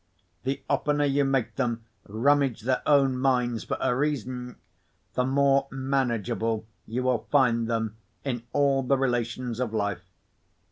The oftener you make them rummage their own minds for a reason, the more manageable you will find them in all the relations of life.